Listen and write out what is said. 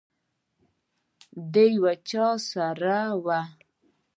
د یو چا سره وه.